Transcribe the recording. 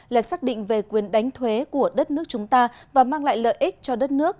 là xác định về quyền đánh thuế của đất nước chúng ta và mang lại lợi ích cho đất nước